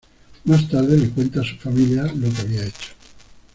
Más tarde, le cuenta a su familia lo que había hecho.